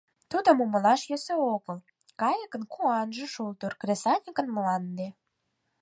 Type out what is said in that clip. Тудым умылаш йӧсӧ огыл: кайыкын куанже — шулдыр, кресаньыкын — мланде.